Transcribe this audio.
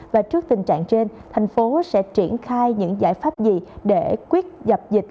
và trước tình trạng trên thành phố sẽ triển khai những giải pháp gì để quyết dập dịch